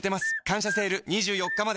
「感謝セール」２４日まで